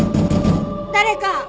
誰か！